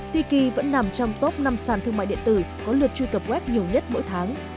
ti kỳ vẫn nằm trong top năm sàn thương mại điện tử có lượt truy cập web nhiều nhất mỗi tháng